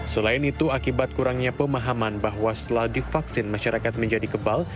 selain itu akibat kurangnya pemahaman bahwa setelah divaksin masyarakat menjadi kebal